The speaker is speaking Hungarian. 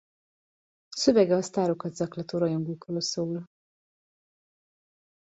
Szövege a sztárokat zaklató rajongókról szól.